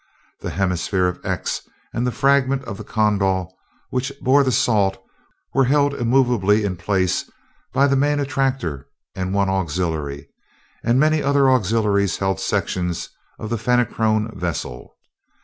The hemisphere of "X" and the fragment of the Kondal which bore the salt were held immovably in place by the main attractor and one auxiliary; and many other auxiliaries held sections of the Fenachrone vessel.